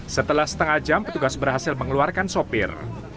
setelah setengah jam petugas berhasil mengeluarkan sopir